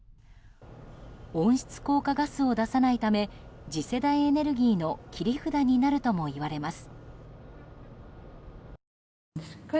温室効果ガスを出さないため次世代エネルギーの切り札になるともいわれます。